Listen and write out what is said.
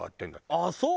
ああそう？